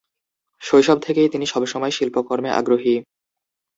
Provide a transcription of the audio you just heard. শৈশব থেকেই তিনি সবসময় শিল্পকর্মে আগ্রহী।